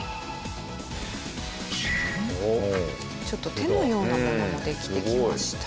ちょっと手のようなものもできてきました。